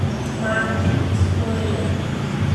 Mar de Espanha